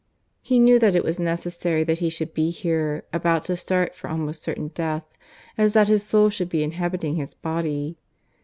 He knew that it was necessary that he should be here, about to start for almost certain death, as that his soul should be inhabiting his body.